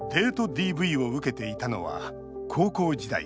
ＤＶを受けていたのは高校時代。